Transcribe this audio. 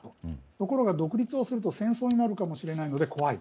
ところが独立すると戦争になるかもしれないので怖い。